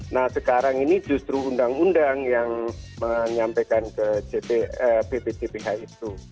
nah sekarang ini justru undang undang yang menyampaikan ke bpdph itu